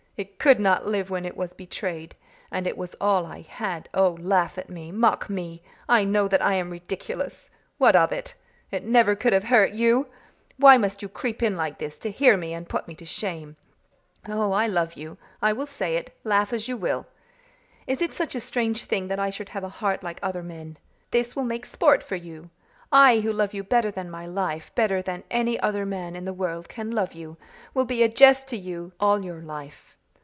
It could not live when it was betrayed. And it was all I had. Oh, laugh at me mock me! I know that I am ridiculous! What of it? It never could have hurt you! Why must you creep in like this to hear me and put me to shame? Oh, I love you I will say it, laugh as you will. Is it such a strange thing that I should have a heart like other men? This will make sport for you! I, who love you better than my life, better than any other man in the world can love you, will be a jest to you all your life.